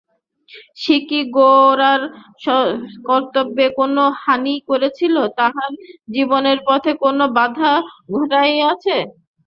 সে কি গোরার কর্তব্যে কোনো হানি করিয়াছে, তাহার জীবনের পথে কোনো বাধা ঘটাইয়াছে?